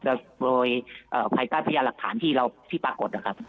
และโดยเอ่อภัยกาศพิยาหลักฐานที่เราที่ปรากฏนะครับ